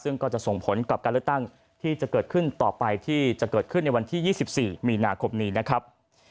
ซึ่งก็จะส่งผลกับการเลือกตั้งที่จะเกิดขึ้นต่อไปที่จะเกิดขึ้นในวันที่๒๔มีนาคมนี้นะครับ